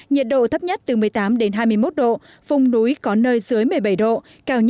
nhiệt độ thấp nhất từ một mươi tám hai mươi một độ vùng núi có nơi dưới một mươi bảy độ